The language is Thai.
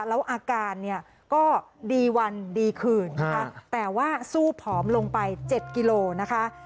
อาการดีวันดีขืนแต่ก็สู่ผอมลงไป๗กิโลบาท